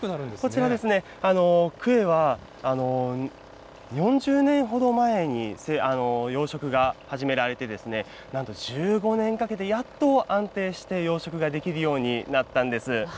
こちら、クエは４０年ほど前に養殖が始められて、なんと１５年かけて、やっと安定して、養殖ができるようになったんです。